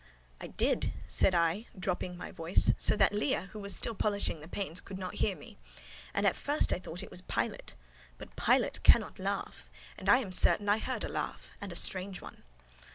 "I did," said I, dropping my voice, so that Leah, who was still polishing the panes, could not hear me, "and at first I thought it was Pilot: but Pilot cannot laugh; and I am certain I heard a laugh, and a strange one."